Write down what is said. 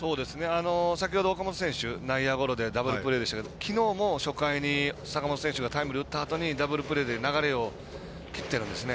先ほど岡本選手内野ゴロでダブルプレーでしたがきのうも初回に坂本選手がタイムリー打ったあとにダブルプレーで流れを切ってるんですね。